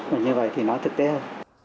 và như vậy thì nó thực tế hơn